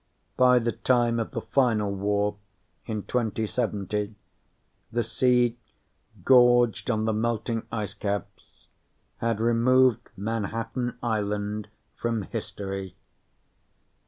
By the time of the final War, in 2070, the sea, gorged on the melting ice caps, had removed Manhattan Island from history.